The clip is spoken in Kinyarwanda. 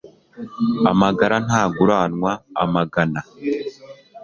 amagara ntaguranwa amagana